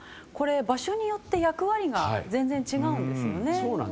場所によって役割が全然違うんですよね。